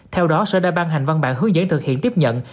theo đó sở đã ban hành văn bản hướng dẫn thực hiện tiếp nhận